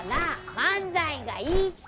漫才がいいって！